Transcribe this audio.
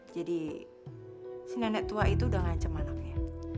jadi si nenek tua itu sudah ngancem anaknya